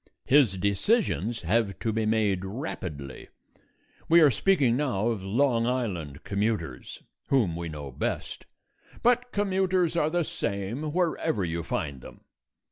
His decisions have to be made rapidly. We are speaking now of Long Island commuters, whom we know best; but commuters are the same wherever you find them.